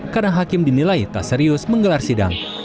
karena hakim dinilai tak serius menggelar sidang